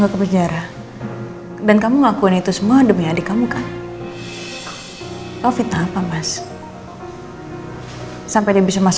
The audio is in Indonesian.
aku memang selalu yakin sih mas